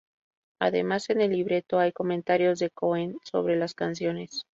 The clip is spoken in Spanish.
Además, en el libreto hay comentarios de Cohen sobre las canciones.